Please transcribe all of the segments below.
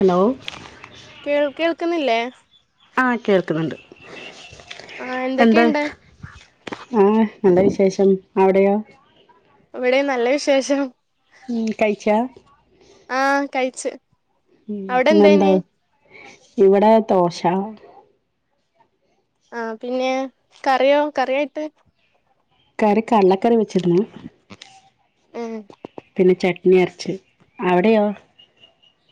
Hello കേൾ കേൾക്കുന്നില്ലേ ആ കേൾക്കുന്നുണ്ട് ആ എന്ത് എന്തൊക്കെയുണ്ട് ആ നല്ല വിശേഷം അവ്ടെയോ ഇവിടേം നല്ല വിശേഷം ഉം കൈച്ചാ ആ കയിച്ച് ഉം പിന്നെന്താ ഇവടെ ദൊശ ആ പിന്നെ കറിയോ കറിയായിട്ട് കറി കട്ലക്കറി വെച്ചിക്ണ് ഉം പിന്നെ ചട്നി അര്ച്ച് അവിടെയോ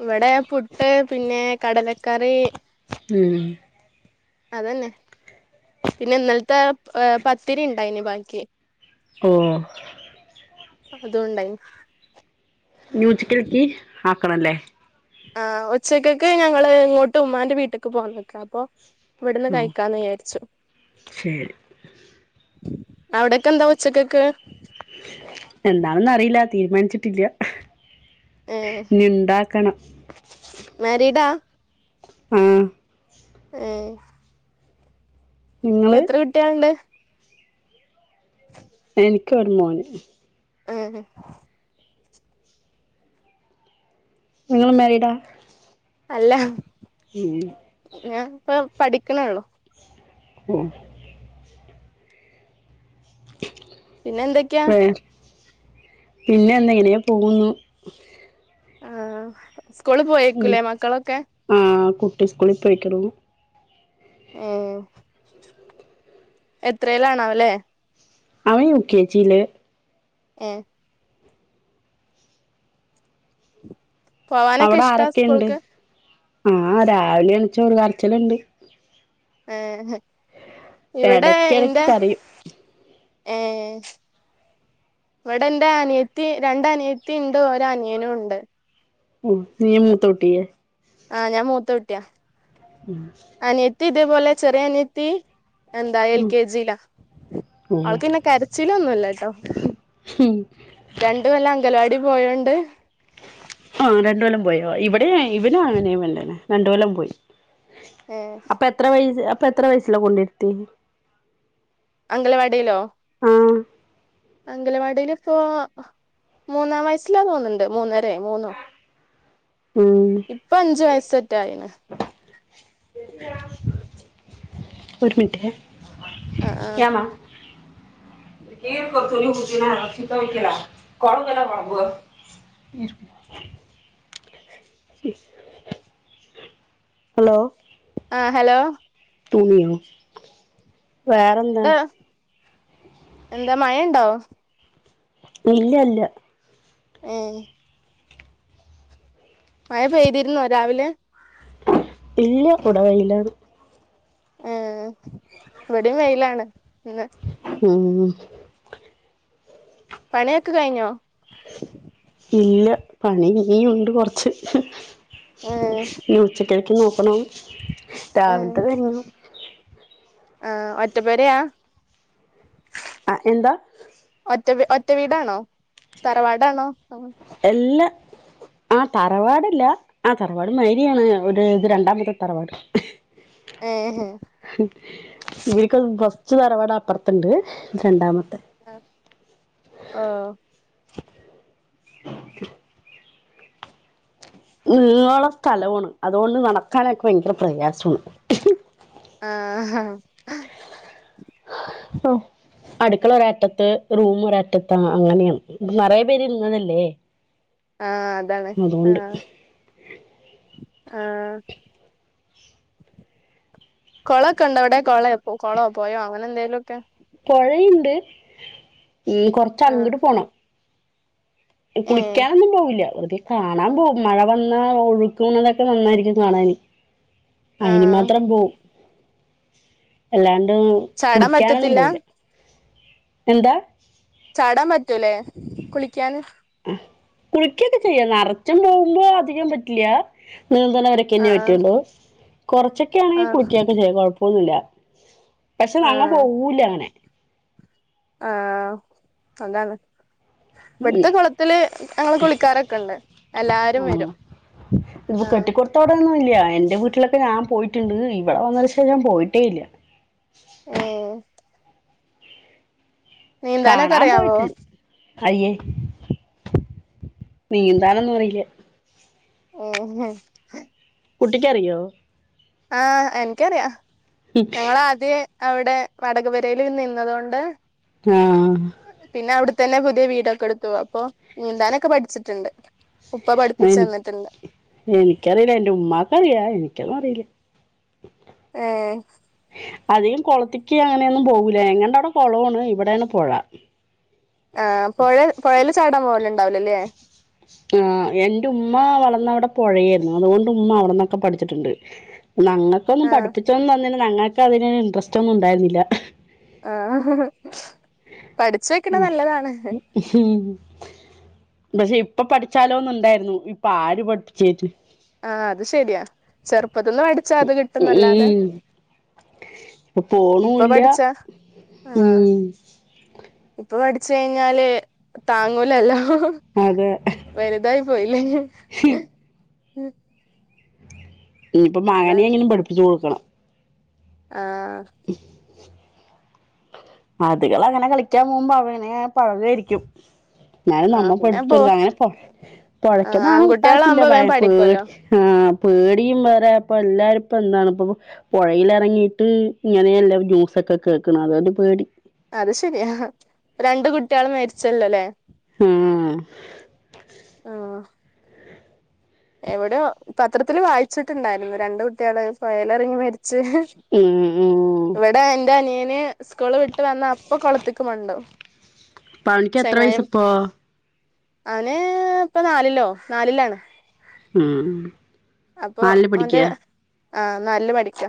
ഇവടെ പുട്ട് പിന്നെ കടലക്കറി ഉം അതന്നെ പിന്നെ ഇന്നൽത്തെ ഏ പത്തിരിണ്ടായിനി ബാക്കി ഓഹ് അതുണ്ടായിനി ന്യൂച്ച്ക്ക‌ൽക്കി ആക്കണല്ലേ ആ ഉച്ചക്കക്ക് ഞങ്ങള് ഇങ്ങോട്ട് ഉമ്മാന്റെ വീട്ട്ക്ക് പോന്നക്കാ അപ്പൊ ഇവട്ന്ന് ഉം കഴിക്കാന്ന് വിചാര്ച്ചു ശരി അവ്ടെക്കെ എന്താ ഉച്ചകക്ക് എന്താണെന്ന് അറിയില്ല തീരുമാൻച്ചിട്ടില്ല ഏ ഇഞ്ഞിണ്ടാക്കണം മെരീഡാ ആഹ് ഏ നിങ്ങള് എത്ര കുട്ടിയെൾണ്ട് എനിക്കൊരു മോന് ഏ ഹ് നിങ്ങളും മെരീടാ അല്ല ഞാൻ ഇപ്പ പഠിക്ക്ണെള്ളു ഉം പിന്നെ എന്തൊക്കെയാ ഏഹ് പിന്നെന്ന ഇങ്ങനെ പോകുന്നു ആഹ് സ്കൂള് പോയേക്കൂലേ മക്കളൊക്കെ ആ കുട്ടി സ്കൂളി പോയിക്ക്‌ണു ഏ എത്രെലാണാവ ലെ അവൻ യു ക്കെ ജി ല് ഏ പോവാനൊക്കെ അവടെ ഇഷ്ടാ ആരൊക്കെ ഇണ്ട് സ്കൂൾക്ക് ആ രാവിലെ എൺചു ഒരു കര്ച്ചില്ണ്ട് ഏ ഇവടെ ഇടക്കിടക്ക് ഇന്റെ കരയും ഏ ഇവിടെ എന്റെ അനിയത്തി രണ്ട് അനിയത്തി ഉണ്ട് ഒര അനിയനും ഉണ്ട് ഉ നി മൂത്തോട്ടിയെ ആഹ് ഞാൻ മൂത്ത കുട്ടിയാ ഉം അനിയത്തി ഇതേ പോലെ ചെറിയ അനിയത്തി എന്താ എൽ ഉം കെ ജി യിലാ ഓഹ് അവൾക്ക്ന്നൊ കര ചിലൊന്നുയില്ലാട്ടോ ഉം രണ്ട് കൊല്ലം അംഗലവാടി പോയോണ്ട് ആ രണ്ട് കൊല്ലം പോയോ ഇവിടെ ഇവനും അങ്ങനെയന്നെ രണ്ടു കൊല്ലം പോയി ഏഹ് അപ്പൊ എത്ര വയസ്സ് അപ്പൊ എത്ര വയസ്സില കൊണ്ടിരുത്തി അംഗലവാടിയിലോ ആഹ് അംഗലവാടിൽ ഇപ്പോ മൂന്നാം വയസ്സിലാ തോന്നുന്നുണ്ട് മൂന്നര മൂന്നോ ഉം ഇപ്പൊ അഞ്ചു വയസറ്റെ ആയിണ് ഒരു മിനിറ്റെ ആഹ് ആഹ് ക്യാമ ർ കൊത്ത നീ കുതി [unintelligible] കോൻ കരോ ബാബു ഹലോ ആ ഹലോ തുണിയോ വേറെ ന്താ എന്താ മഴയുണ്ടോ ഇല്ല ഇല്ല ഏയ് മഴ പെയ്തിരുന്നോ രാവിലെ ഇല്ല ഇപ്പവടെ വെയിലാണ് ഏ ഇവിടെ വെയിലാണ് ഇന്ന് ഉം പണിയൊക്കെ കഴിഞ്ഞോ ഇല്ല പണി ഇനിയും ഇണ്ട് കൊറച്ച് ആഹ് ഇനി ഉച്ചക്കത്തേക് നോക്കണം ഏ രാവിലത്തെ കഴഞ്ഞു ആ ഒറ്റപേരെയ ആ എന്താ ഒറ്റ ഒറ്റ വീടാണോ തറവാടാണോ എല്ല ആ തറവാടല്ല ആഹ് തറവാട് മാരിയാണ് ഒരു ഇത് രണ്ടാമത്തെ തറവാട് അഹ് ഏഹെ ഹും ഇവർക്ക് ഫസ്റ്റ് തറവാട് അപ്പുറത്തുണ്ട് രണ്ടാമത്തെ ആ ഓ നിളോള്ള സ്ഥലമാണ് അതുകൊണ്ട് നടക്കാനൊക്കെ ഭയങ്കര പ്രയാസമാണ് ആഹ് ഹാ ഹോ അടുക്കള ഒരറ്റത്ത് റൂം ഒരറ്റത്താ അങ്ങനെയാണ് നറയെ പേര് ഇരുന്നതല്ലേ ആ അതാണ് ആ അതുകൊണ്ട് ആ കുള ഒക്കെണ്ടണ്ട് അവിടെ കൊളോ കുള പോയേ അങ്ങനെ എന്തേലുംലോക്കെ പുഴയുണ്ട് ഉം കൊറച്ച് ആ അങ്ങിട്ട് പോണം ഏ കുളിക്കാനൊന്നും പോകില്ല വെറുതെ കാണാൻ പോവും മഴ വന്നാ ഒഴുക്കുന്നതൊക്കെ നന്നായിരിക്കും കാണാന് ആ അയിന് മാത്രം പോവും. അല്ലാണ്ട് ചാടാൻ കുളിക്കാനൊന്നും പറ്റത്തില്ല പോവില്ല. എന്താ? ചാടാൻ പറ്റൂലേ? കുളിക്കാന്, കുളിക്കൊക്കെ ചെയ്യാ. നറച്ചു പോകുമ്പോ അധികം പറ്റില്ല, നീന്തണ വരെ ആ ക്കെന്നെ പറ്റുള്ളൂ. കുറച്ചൊക്കെ ആ ആ ആണെങ്കിൽ കുളികോക്കെ ചെയ്യ കുഴപ്പൊന്നുല്ല. പക്ഷെ നങ്ങ ആ പോവൂല്ല അങ്ങനെ. ആഹ് അതാണ്. ഇവിട്ത്തെ ഉം കൊളത്തില് ഞങ്ങള് കുളിക്കാറെക്കെണ്ട്, എല്ലാരും വരും. ഇത് ആഹ് കെട്ടിക്കു തോടൊന്നും ഇല്ല്യാ. എൻ്റെ വീട്ടിലൊക്കെ ഞാൻ പോയിട്ടുണ്ട്. ഇവിടെ വന്നതിന് ശേഷം ഞാൻ പോയിട്ടേ ഇല്ല. ഏഹ്. നീന്താനൊക്കെ കാണാൻ അറിയാവോ പോയിട്ടുണ്ട്. അയ്യേ നീന്താനൊന്നും അറിയില്ല. മ്ഹ്. കുട്ടിക്കറിയോ? ആ എൻക്കറിയാം. ഞങ്ങളാദ്യേ അവിടെ വാടക പെരേല് നിന്നതൊണ്ട്, ആഹ് ആ. പിന്നെ അവിടെത്തന്നെ പുതിയ വീടൊക്കെ എടുത്തു. അപ്പൊ നീന്താനൊക്കെ പഠിച്ചിട്ടുണ്ട്. ഉപ്പ പഠിപ്പിച്ചു എനി തന്നിട്ടണ്ട്. എനിക്കറിയില്ല എന്റെ ഉമ്മാക്കറിയ. എനിക്കൊന്നും അറിയില്ല. ഏഹ്. അധികം കൊളത്തിക്ക് അങ്ങനെയൊന്നും പോകൂല. ഞങ്ങളെ അവിടെ കോളോണ് ഇവിടെണ് പൊഴ. ആഹ് പൊഴ പൊഴേൽ ചാടാൻ പോവലുണ്ടാവില്ലല്ലേ. ആഹ് എന്റെ ഉമ്മ വളന്ന അവിടെ പൊഴയായിരുന്നു. അതുകൊണ്ട് ഉമ്മ അവിടെന്നൊക്കെ പഠിച്ചിട്ടുണ്ട്. നങ്ങക്കൊന്നും ആഹ് പഠിപ്പിച്ചൊന്നും തന്നില്ല. നങ്ങൾക്ക് അതിന് ഇൻട്രസ്റ്റ് ഒന്നും ഉണ്ടായിരുന്നില്ല. ആഹ് പഠിച്ച് വെക്കണ നല്ലതാണ്. പക്ഷെ ഇപ്പൊ പഠിച്ചാലോ ഒന്ന്‌ ഉണ്ടായിരുന്നു. ഇപ്പൊ ആര് പഠിപ്പിച്ചര്ണ്. ആഹ് അത് ശെരിയാ. ചെറുപ്പത്ത്ന്ന്‌ പടിച്ചാ അത് കിട്ടുന്നല്ലാതെ, ഉം ഇപ്പൊ ഇപ്പ പോണൂല്ല പഠിച്ചാ ആ. ഉം ഇപ്പ പഠിച്ച് കഴിഞ്ഞാല് താങ്ങൂലല്ലോ. അതെ. വെലുതായി പോയില്ലേ ഇന്നി. [inaudible] ഇനിപ്പം അതാണ് മകനെങ്കിലും പഠിപ്പിച്ച് കൊട്ക്കണം. ആഹ്. അതികള് അങ്ങനെ കളിക്കാ പോകുമ്പോ അവനെ [unintelligible] ന്നാലും നമ്മ ആഹ് പിന്നെ പടിപ്പിച്ച പോ കൊടുക്കും. അങ്ങനെ ആഹ് പൊഴക്കന്നാണ് വിട്ടാക്കില്ല ആൺകുട്ടികളാകുമ്പോ പയ വേഗം പഠിക്കുവല്ലോ പേട്ച്. ആഹ് പേടീം വേറെ, അപ്പൊ എല്ലാരും ഇപ്പ എന്താണ് ഇപ്പൊ പൊഴെലെറങ്ങിട്ട് ഇങ്ങനല്ലേ ന്യുസൊക്കെ കേക്ണ് അത്ണ്ട് പേടി. അത് ശെരിയാ. രണ്ടു കുട്ട്യേള് മരിച്ചല്ലോലെ? ആഹ്. ആഹ്. എവിടെയൊ പത്രത്തില് വായിച്ചിട്ട്ണ്ടായിരുന്നു രണ്ട് കുട്ട്യേള് പൊയെലെറങ്ങി മര് ച്ച്. ഉം ഉം ഇവടെ എന്റെ അനിയന്, സ്കൂള് വിട്ട് വന്ന അപ്പൊ കൊളത്തിക്കു പോവ്ണ്ടാവും. പാണിക്ക് എത്ര വയസ് പ്പോ? അവന് പ്പൊ നാലിലോ നാലിലാണ്. ഉം. അപ്പൊ നാലില് ഓന്റെ പഠിക്കാ ആ നാലില് പടിക്ക.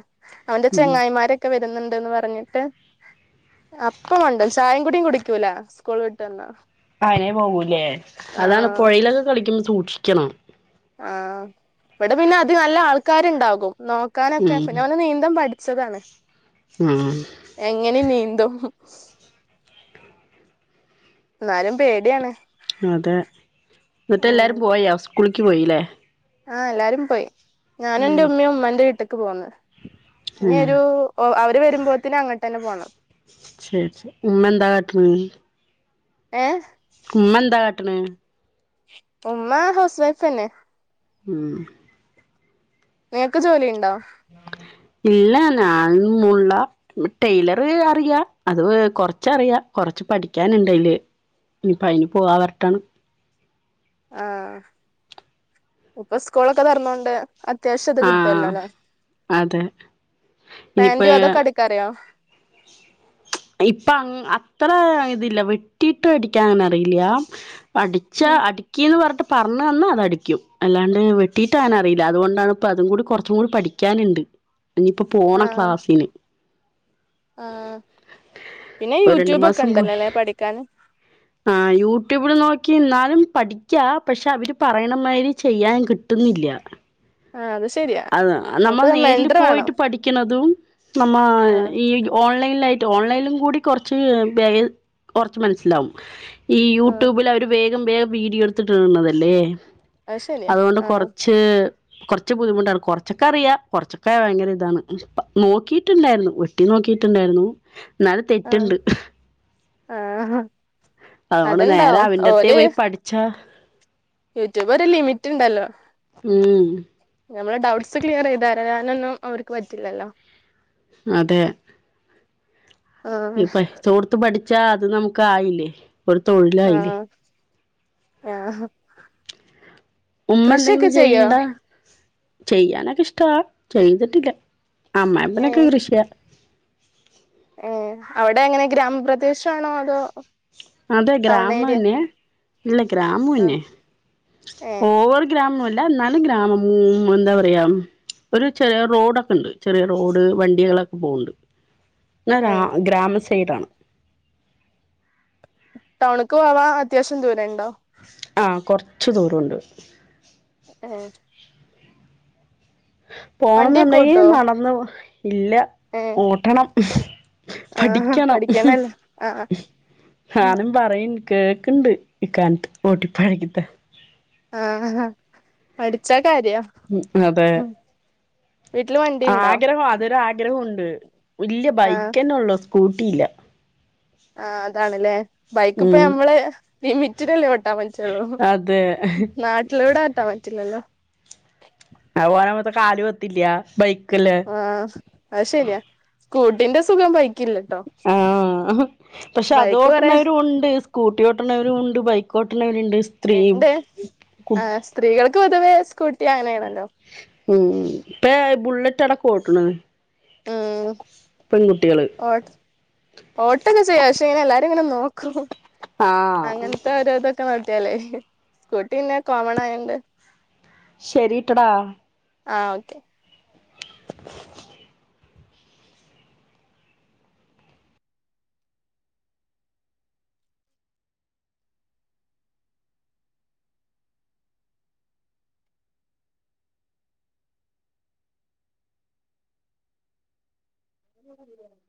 അവന്റെ ഉം ചെങ്ങായിമാരെ ക്കെ വെര്ന്ന്‌ണ്ട്ന്ന് പറഞ്ഞിട്ട് അപ്പ മണ്ടു ചായംകൂടി കുടി ക്യുല സ്കൂൾ വിട്ട് വന്നാ അനി യെ പോവൂലേ അതാണ് പൊ ആഹ് ഴെയിലൊക്കെ കളിക്കുമ്പോ സൂക്ഷിക്കണം. ആഹ ഇവടെ പിന്നെ അത് നല്ല ആൾക്കാര്ണ്ടാകും നോക്കാനൊക്കെ ഉം പിന്നെ അവനെ നീന്തൻ പടി ച്ചതാണ്. ഉം എങ്ങനീം നീന്തും ന്നാലും പേട്യണ്. അതെ ന്ന്ട്ട് എല്ലാരും പോയോ സ്കൂളിക്കി പോയിലെ? ആഹ് എല്ലാരും പോയ് ഞാനു ഉം ന്റെ ഉമ്മി ഉമ്മന്റെ വീട്ട്ക്ക് പോന്ന് ഇനി ഉം ഒരു ഓ അവര് വരുമ്പോത്തിനെ അങ്ങട്ട് ന്നെ പോണം. ശരി ഉമെന്താ കാട്ട്ണ്? ഏഹ് ഉമ്മന്താ കാട്ട്ണ്? ഉമ്മ ഹൗസ് വൈഫ്നെ ഉം നീക്ക് ജോലി ണ്ടോ? ഇല്ല ഞാൻ മോള്ള ടെയിലർ അറിയ അത് കൊറച്ചറിയാ കൊറച്ച് പഠിക്കാന്ണ്ടയ്ല്. ഇനിയിപ്പ അയിന് പോവാ വര്ട്ടാണ് ആഹ് ഇപ്പൊ സ്കൂളൊക്കെ തൊറന്നോണ്ട് അത്യാവശ്യം അത് ആഹ് കിട്ടല്ലോലെ അതെ പാന്റും ഇനിയിപ്പോ അതൊക്കെ അടിക്കാറിയോ ഇപ്പൊ അങ്ങ് അത്ര ഇതില്ല വെട്ടിട്ടു അടിക്കാ അങ്ങനെ അറിയില്ല്യാ അടിച്ചാ അടിക്കിന്ന് പർണ്ട്ട്ട് പർണന്നാ അത് അടിക്കും അല്ലാണ്ട് വെട്ടിട്ട് ആനറിയില അതുകൊണ്ടാണ് പ്പ അതും കൂടി കൊറച്ചു കൂടി പഠിക്കാന്ണ്ട് ഇനിപ്പോ പോണം ആഹ് ക്ലാസ്സിന്. ആഹ് പിന്നെ ഒരു രണ്ടു യൂട്യൂബ് ക്കെ മാസം ണ്ടല്ലോ പോയി ലെ പഠിക്കാന്? [inaudible] ആ യൂട്യൂബില് നോക്കി ന്നാലും പഠിക്കാ പക്ഷെ അവര് പറയണമായ്രി ചെയ്യാൻ കട്ട്ന്നില്ല്യ. ആഹ് അത് ശെരിയ. അത നമ്മ നേരില് പോയിട്ട് പഠിക്കിണതും നമ്മ ആ ഈ ഓൺലൈലായിറ്റ് ഓൺലൈൻലും കൂടി കൊറച്ച് [unintelligible] കൊറച്ച് മൻസ്സിലാവും ഈ ആ യൂട്യൂബിൽ അവര് വേഗം വേഗം വീഡിയോ എടുത്തിട്ടിട്ന്നതല്ലേ അത് ശരിയാ അതുകൊണ്ട് ആ കുറച്ച് ച്ച് കുറച്ച്ബുദ്ധിമുട്ടാണ് കൊറച്ചക്കെ അറിയാ കൊറച്ചൊക്കെ ഭയങ്കര ഇതാണ് നോക്കിട്ടുണ്ടായിരുന്നു വെട്ടി നോക്കിട്ടുണ്ടായിരുന്നു എന്നാലും തെറ്റുണ്ട് ആഹ് അതുകൊണ്ട് നേരെ അവൻന്റെടുത്തേ പോയി പഠിച്ചാ യൂട്യൂബ് ഒരു ലിമിറ്റ് ഉണ്ടല്ലോ ഉം നമ്മള് ഡൗട്ട്സ് ക്ലിയർ ചെയ്ത് തരാനൊന്നും അവർക്ക് പറ്റില്ലല്ലോ അതെ ആ ഇപ്പ പഠിച്ചോർത്ത് പഠിച്ചാ അത് നമുക്കായില്ലേ ഒരു തൊഴിലായില്ലേ ആഹ് ഉമ്മ എന്തെങ്കിലും ചെയ്യോ ചെയ്യണ്ട ചെയ്യാനൊക്കെ ഇഷ്ട ചെയ്തിട്ടില്ല അമ്മ ഏ അനപനൊക്കെ കൃഷിയാ ഏഹ് അവിടെ എങ്ങനെ ഗ്രാമപ്രദേശ ആണോ അതോ അതെ ടൗൺ ഏരിയ ഗ്രാമന്നെ ഇല്ല ആ ഗ്രാമംന്നെ ഏ ഓവർ ഗ്രാമ അല്ല എന്നാലും ഗ്രാമ എന്താ പറയാ ഒരു ചെറിയ റോഡൊക്കെ ഉണ്ട് ചെറിയ റോഡ് വണ്ടികളൊക്കെ പോകണ്ട് ഏ ഗ്രാമ സൈഡ ആണ് ടൗണ്ക്ക് പോവാം അത്യാവശ്യം ദൂരണ്ടോ ആഹ് കൊർച്ച് ദൂരുണ്ട് ഏഹ് വണ്ടിയൊക്കെ പോണംന്ന്ണ്ടെങ്കി ഓട്ടോ നടന്ന് പോ ഇല്ലാ ഏ ഓട്ടണം ആ പഠിയ്ക്കണം പഠിക്കണല്ലേ ആ ഉം ഹാനും പറയും കേക്ക്ണ്ട് ഇക്കാൻത്ത് ഓട്ടിപ്പഠിക്കത്തെ ആഹ് ഹഹാ പഠിച്ചാ കാര്യാ ഉം അതെ വീട്ടില് വണ്ടിണ്ടോ ആഗ്രഹം അതൊരാഗ്രഹാെണ്ട് വല്യ ആഹ് ബൈക്കെന്നെള്ളൂ കൂട്ടിയില്ലാ ആഹ് അതാണ്ലേ ബൈക്ക്പ്പ ഉം ഞമ്മള് വി വിറ്റിത്‌ല്ലേ പ ട്ടാൻ പറ്റാെള്ളൂ അതെ നാട്ടിലൂടെ ഓട്ടാൻ പറ്റില്ലല്ലോ അത് പോവലമത്തെ കാല് വെത്തില്ല്യാ ബൈക്കല്ലെ ആഹ് അത് ശെര്യാ സ്കൂട്ടിന്റെ സുഖം ബൈ ആഹ് പക്ഷെ ബൈക്ക് കൊറേ അതോട്ട്ണവരുണ്ട് സ്കൂട്ടി ഓട്ട്ണവരും ഉണ്ട് ബൈക്ക് ഓട്ടണവര്ണ്ട് സ്ത്രീയും ഇണ്ട് കു ആഹ് സ്ത്രീകൾക്ക് പൊതുവേ സ്കൂട്ടി അങ്ങെനേണല്ലോ ഉം ഉം ഇപ്പെഴേ ബുള്ളറ്റടക്കം ഓട്ട്ണ് ആഹ് ഓ ഓട്ടൊക്കെ ചെയ്യാ പക്ഷെ ഇങ്ങെനെ എല്ലാരും ഇങ്ങെനെ നോക്കും ആഹ് അങ്ങൻത്തെ ഒരോതൊക്കെ നോട്ടിയാലേ സ്കൂട്ടി പിന്നെ കോമണായാെണ്ട് ശെരീട്ടെടാ ആഹ് ഓക്കെ ഉ